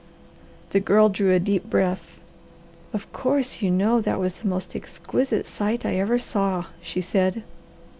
The Girl drew a deep breath. "Of course you know that was the most exquisite sight I ever saw," she said.